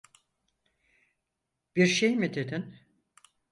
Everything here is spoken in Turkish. Bir şey mi dedin?